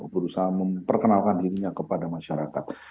berusaha memperkenalkan dirinya kepada masyarakat